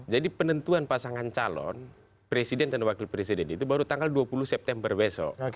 jadi penentuan pasangan calon presiden dan wakil presiden itu baru tanggal dua puluh september besok